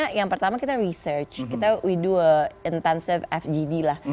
jadi yang pertama kita research kita we do a intensive fgd lah